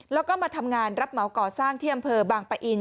แล้วก็มาทำงานรับเหมาก่อสร้างที่อำเภอบางปะอิน